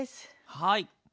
はい。